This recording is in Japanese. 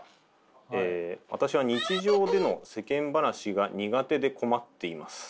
私は日常での世間話が苦手で困っています。